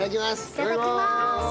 いただきます！